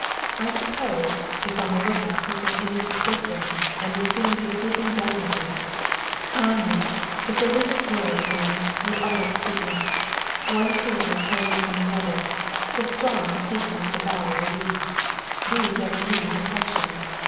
I suppose, it's on the look out for some innocent victim, and will soon be swooping down at it. Ah, me! it's a wicked world, Nell, with all its sweetness! One creature preying upon another the strong seeking to devour the weak these ever needing protection!